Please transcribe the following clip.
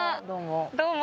どうも。